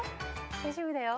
大丈夫だよ。